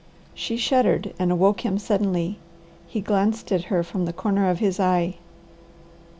She shuddered and awoke him suddenly. He glanced at her from the corner of his eye.